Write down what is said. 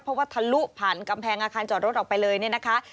เพราะว่าทะลุผ่านกำแพงอาคารจอดรถออกไปเลยเนี่ยนะคะ